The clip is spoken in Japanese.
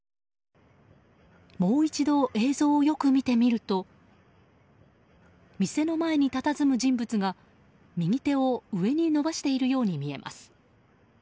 もう一度、映像をよく見てみると店の前にたたずむ人物が、右手を上に伸ばしているように見えます。